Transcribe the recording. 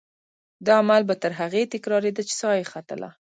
دا عمل به تر هغې تکرارېده چې سا یې ختله.